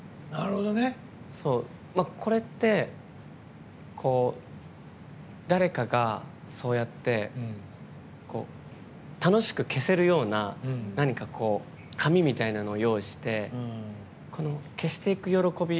これって、誰かがそうやって楽しく消せるような紙みたいなのを用意して、消していく喜び。